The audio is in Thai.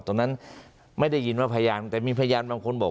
ตอนนั้นไม่ได้ยินว่าพยานแต่มีพยานบางคนบอก